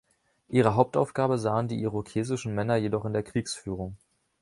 Ihre Hauptaufgabe sahen die irokesischen Männer jedoch in der Kriegsführung.